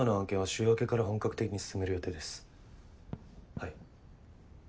はい。